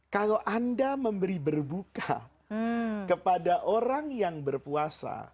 kalau anda memberi berbuka kepada orang yang berpuasa